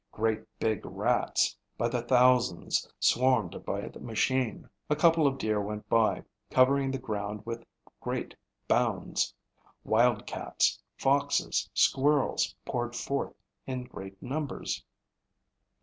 Great big rats by the thousands swarmed by the machine. A couple of deer went by, covering the ground with great bounds. Wild cats, foxes, squirrels poured forth in great numbers.